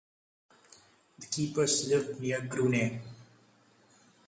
The keepers lived on nearby Grunay.